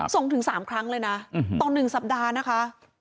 ถึง๓ครั้งเลยนะต่อ๑สัปดาห์นะคะ